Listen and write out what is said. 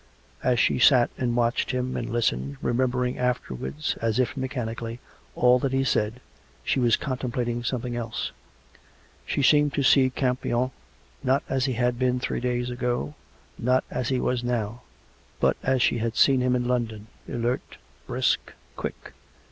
As she sat and watched him and listened, remembering afterwards, as if mechanically, all that he said, she was con templating something else. She seemed to see Campion, not as he Iiad been three days ago, not as he was now ... but as she had seen him in London — alert, brisk, quick.